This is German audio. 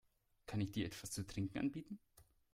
Kann ich dir etwas zu trinken anbieten?